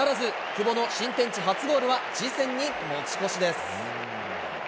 久保の新天地初ゴールは次戦に持ち越しです。